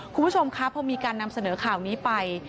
คุณผู้ชมคะพอมีการนำเสนอข่าวนี้ไป